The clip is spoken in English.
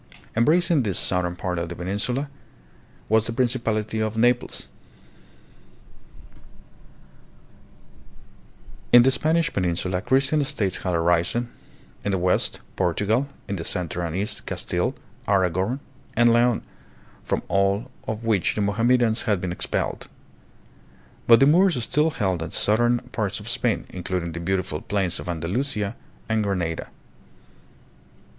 Embracing the south ern part of the peninsula was the principality of Naples. EUROPE AND THE FAR EAST ABOUT UOO A.D. 47 In, the Spanish peninsula Christian states had arisen, in the west, Portugal, hi the center and east, Castile, Aragon, and Leon, from all of which the Mohammedans had been expelled. But the Moors still held the southern parts of Spain, including the beautiful plains of Andalusia and Grenada.